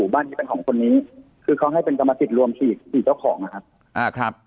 บ้านนี้เป็นของคนนี้คือเขาให้เป็นกรรมสิทธิ์รวมฉีดเจ้าของนะครับ